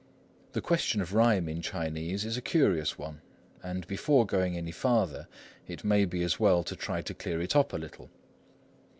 The question of rhyme in Chinese is a curious one, and before going any farther it may be as well to try to clear it up a little.